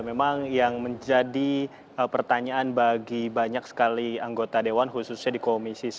memang yang menjadi pertanyaan bagi banyak sekali anggota dewan khususnya di komisi satu